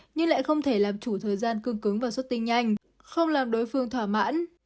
nhưng lại không thể làm chủ thời gian cương cứng và xuất tinh nhanh không làm đối phương thỏa mãn